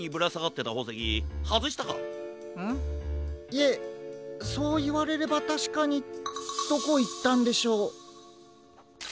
いえそういわれればたしかにどこいったんでしょう。